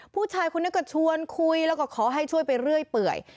ผู้ชายคนนี้ก็ชวนคุยแล้วก็ขอให้ช่วยไปเรื่อยเปื่อย